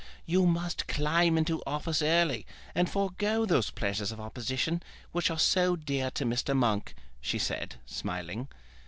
"You must climb into office early, and forego those pleasures of opposition which are so dear to Mr. Monk," she said, smiling.